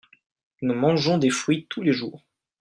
nous mangeons des fruits tous les jours.